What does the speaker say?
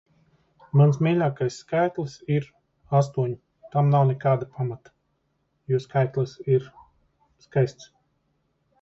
Mans mīļākais skaitlis ir (Astoņi). Tam nav nekāda pamata, jo skaitlis ir skaists.